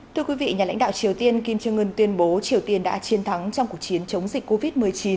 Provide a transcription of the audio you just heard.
thưa quý vị nhà lãnh đạo triều tiên kim jong un tuyên bố triều tiên đã chiến thắng trong cuộc chiến chống dịch covid một mươi chín